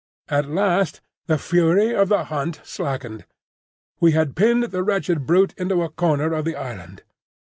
At last the fury of the hunt slackened. We had pinned the wretched brute into a corner of the island.